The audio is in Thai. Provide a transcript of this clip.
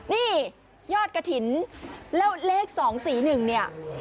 นี่ยอดกระถิ่นแล้วเลข๒๔๑เนี่ย